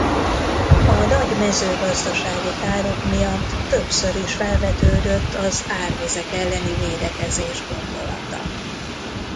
A nagy mezőgazdasági károk miatt többször is felvetődött az árvizek elleni védekezés gondolata.